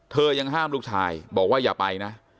ยังห้ามลูกชายบอกว่าอย่าไปนะ